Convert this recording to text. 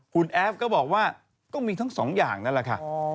คุณแอฟก็บอกว่าก็มีทั้งสองอย่างนั่นแหละค่ะ